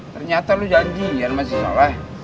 ternyata lo janjian sama si soleh